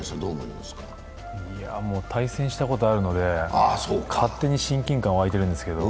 対戦したことあるので、勝手に親近感湧いているんですけど。